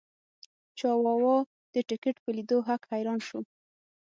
چاواوا د ټکټ په لیدو هک حیران شو.